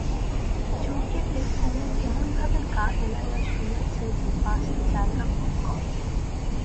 চৌকিতে কুমুদ এমনভাবে গা এলাইয়া শুইয়াছে যে পাশে জায়গা খুব কম।